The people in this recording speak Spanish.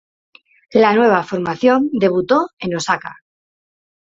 La nueva formación debutó en Osaka.